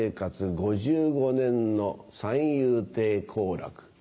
５５年の三遊亭好楽